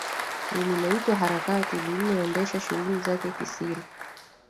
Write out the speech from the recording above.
lililoitwa harakati lililoendesha shughuli zake kisiri